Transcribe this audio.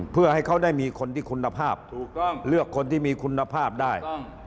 เพื่อให้เขาได้มีคนที่คุณภาพเลือกคนที่มีคุณภาพได้